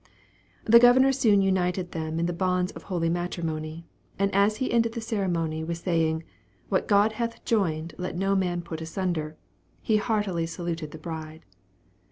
The Governor soon united them in the bonds of holy matrimony, and as he ended the ceremony with saying, "What God hath joined let no man put asunder," he heartily saluted the bride.